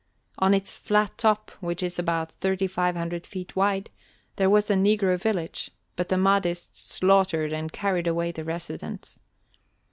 On its flat top, which is about thirty five hundred feet wide, there was a negro village, but the Mahdists slaughtered and carried away the residents.